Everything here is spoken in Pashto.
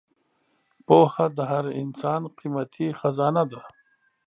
پوهه د هر انسان قیمتي خزانه ده.